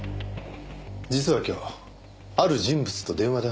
実は今日ある人物と電話で話したんです。